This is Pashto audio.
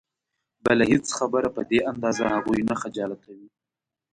بله هېڅ خبره په دې اندازه هغوی نه خجالتوي.